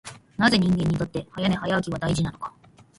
なぜ人間にとって早寝早起きは大事なのか。